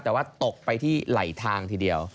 แต่ว่าตกไปที่ไหลทางทีเดียว